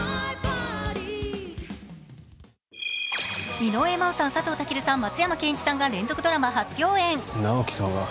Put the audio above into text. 井上真央さん、佐藤健さん、松山ケンイチさんが連続ドラマ初共演。